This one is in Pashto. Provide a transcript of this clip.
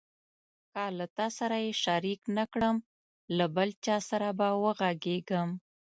که له تا سره یې شریک نه کړم له بل چا سره به وغږېږم.